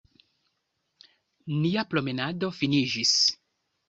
Nia promenado finiĝis.